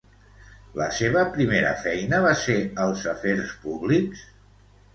La seva primera feina va ser als afers públics?